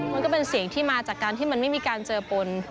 มันก็เป็นเสียงที่มาจากการที่มันไม่มีการเจอปน